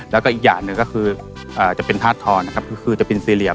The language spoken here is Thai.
แล้วก็อีกอย่างหนึ่งก็คือจะเป็นทาสทรคือจะเป็นสี่เหลี่ยม